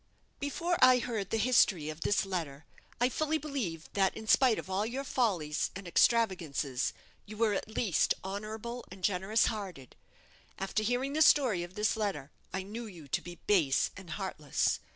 "Before I heard the history of this letter, I fully believed that, in spite of all your follies and extravagances, you were at least honourable and generous hearted. After hearing the story of this letter, I knew you to be base and heartless.